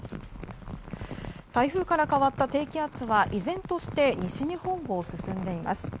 台風から変わった低気圧は依然として西日本を進んでいます。